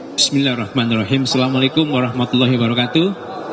bismillahirrahmanirrahim assalamualaikum warahmatullahi wabarakatuh